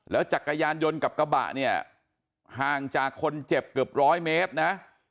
จักรยานยนต์กับกระบะเนี่ยห่างจากคนเจ็บเกือบร้อยเมตรนะ